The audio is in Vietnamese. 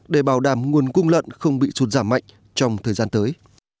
để bảo đảm nguồn cung lợn không bị sụt giảm mạnh trong thời gian tới